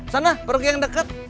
sana pergi yang deket